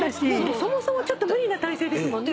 そもそもちょっと無理な体勢ですもんね。